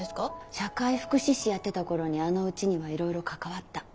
社会福祉士やってた頃にあのうちにはいろいろ関わった。